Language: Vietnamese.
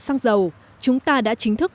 xăng dầu chúng ta đã chính thức